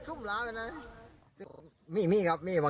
อืม